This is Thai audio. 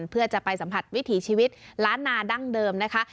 เพื่อจะไปสัมผัสวิถีชีวิตล้านนาดั้งเดิมนะคะ